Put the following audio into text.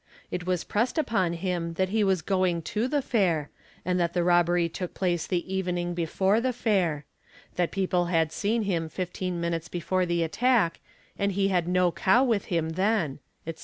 It was pressed upon him that he was going to the' fair and that the robbery took place the evening before the fair; that people had seei him 15 minutes before the attack and he had no cow with him ther etc.